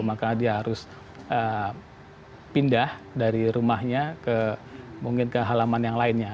maka dia harus pindah dari rumahnya mungkin ke halaman yang lainnya